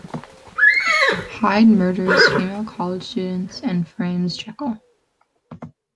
Hyde murders female college students and frames Jekyll.